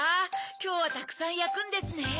きょうはたくさんやくんですね・